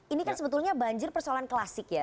ini kan sebetulnya banjir persoalan klasik ya